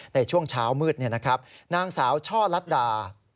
ในช่วงเช้ามืดนางสาวช่อลัดดา